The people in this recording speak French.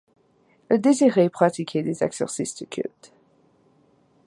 Elles désiraient pratiquer des exercices de culte.